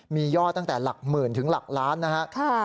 มียอดตั้งแต่หลักหมื่นถึงหลักล้านนะครับ